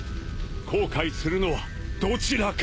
後悔するのはどちらか！